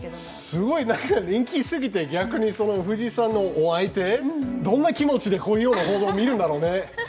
すごい人気すぎて、逆に藤井さんのお相手、どんな気持ちでこういう報道を見るんだろうね。